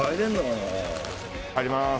入ります。